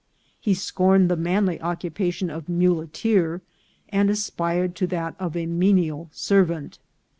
He scorned the manly occupation of a mule teer, and aspired to that of a menial servant.